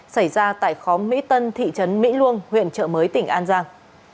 xảy ra tại khóm mỹ tân thị trấn mỹ luông huyện trợ mới tỉnh an giang